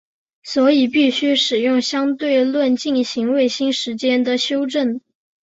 所以必须使用相对论进行卫星时间的修正。